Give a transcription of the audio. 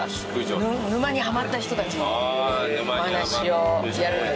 沼にはまった人たちのお話をやるので。